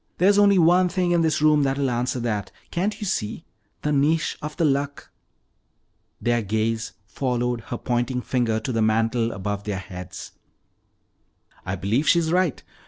"There's only one thing in this room that will answer that. Can't you see? The niche of the Luck!" Their gaze followed her pointing finger to the mantel above their heads. "I believe she's right!